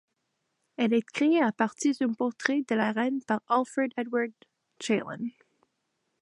Elle est créée à partir d'un portrait de la reine par Alfred Edward Chalon.